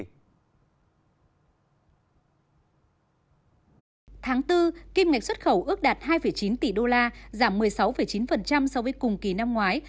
tháng bốn kim ngạch xuất khẩu ước đạt hai chín tỷ đô la giảm một mươi sáu chín so với cùng kỳ năm ngoái